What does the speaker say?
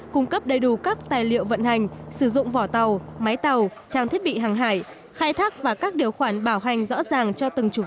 cung cấp đầy đủ các tài liệu vận hành sử dụng vỏ tàu máy tàu trang thiết bị hàng hải khai thác và các điều khoản bảo hành